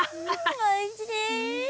おいしい。